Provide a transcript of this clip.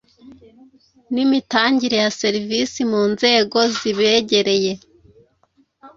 n imitangire ya serivisi mu nzego zibegereye